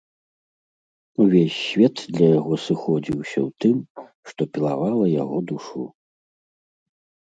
Увесь свет для яго сыходзіўся ў тым, што пілавала яго душу.